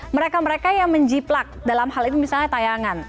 mereka mereka yang menjiplak dalam hal ini misalnya tayangan